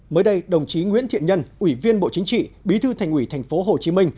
mới đây đồng chí nguyễn thiện nhân ủy viên bộ chính trị bí thư thành ủy tp hcm